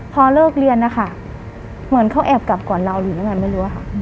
พอเลิกเรียนนะคะเหมือนเขาแอบกลับก่อนเราหรืออะไรไม่รู้อ่ะค่ะ